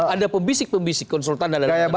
ada pembisik pembisik konsultan